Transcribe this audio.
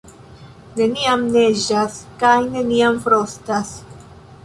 Neniam neĝas kaj neniam frostas.